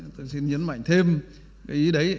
tôi xin nhấn mạnh thêm ý đấy